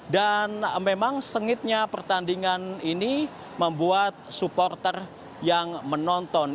dan memang sengitnya pertandingan ini membuat supporter yang menonton